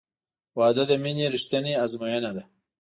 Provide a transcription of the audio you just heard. • واده د مینې رښتینی ازموینه ده.